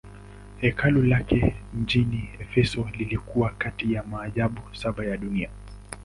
Hekalu lake mjini Efeso lilikuwa kati ya maajabu saba ya dunia.